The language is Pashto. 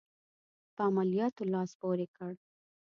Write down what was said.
په عملیاتو لاس پوري کړ.